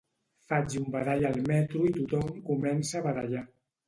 Faig un badall al metro i tothom comença a badallar